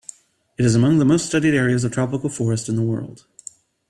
It is among the most-studied areas of tropical forest in the world.